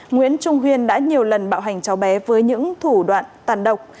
nguyễn trung huyên đã nhiều lần bạo hành cháu bé với những thủ đoạn tàn độc